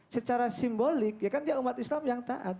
secara simbolik ya kan dia umat islam yang taat